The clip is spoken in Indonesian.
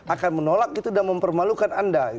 akan menolak itu dan mempermalukan anda